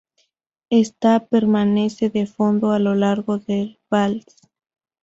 Ésta permanece de fondo a lo largo del vals.